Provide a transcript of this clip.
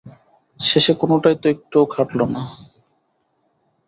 শেষে কোনোটাই তো একটুও খাটল না।